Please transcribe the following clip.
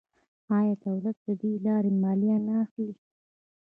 آیا دولت له دې لارې مالیه نه اخلي؟